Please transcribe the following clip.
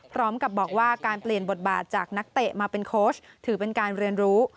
พร้อมกับบอกว่าการเปลี่ยนบทบาทจากนักเตะมาเป็นโค้ชถือเป็นการเรียนรู้